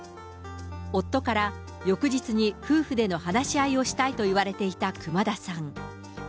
夫から翌日に夫婦での話し合いをしたいと言われていた熊田さん。